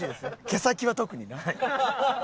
毛先は特にな。